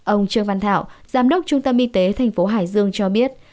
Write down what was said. ông trương văn thảo giám đốc trung tâm y tế tp hải dương cho biết